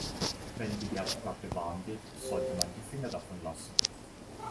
Wenn die Herdplatte warm wird, sollte man die Finger davon lassen.